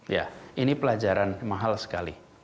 ya ini pelajaran mahal sekali